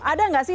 ada gak sih